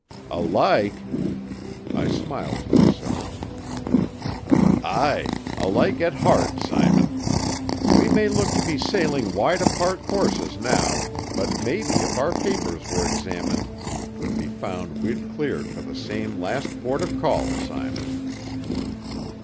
"Alike!" I smiled to myself. "Ay, alike at heart, Simon. We may look to be sailing wide apart courses now, but maybe if our papers were examined 'twould be found we'd cleared for the same last port of call, Simon."